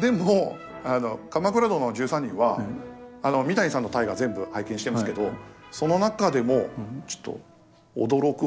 でも「鎌倉殿の１３人」は三谷さんの「大河」全部拝見してますけどその中でもちょっと驚くほど面白いなと。